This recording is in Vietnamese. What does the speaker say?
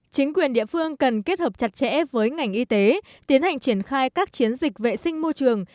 chính quyền địa phương cần kết hợp chặt chẽ với ngành y tế tiến hành triển khai các chiến dịch vệ sinh môi trường